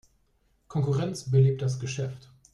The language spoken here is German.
Konkurrenz belebt das Geschäft.